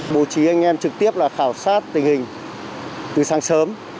bố trí anh em trực tiếp là khảo sát tình hình từ sáng sớm